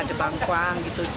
ada bengkuang gitu